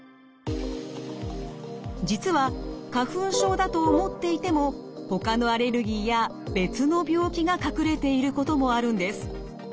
実は花粉症だと思っていても他のアレルギーや別の病気が隠れていることもあるんです。